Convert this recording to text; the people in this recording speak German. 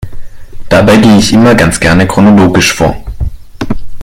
Dabei gehe ich immer ganz gerne chronologisch vor.